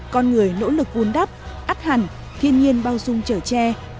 con người nỗ lực vun đắp át hẳn thiên nhiên bao dung trở tre